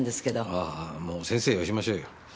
あぁもう先生はよしましょうよ。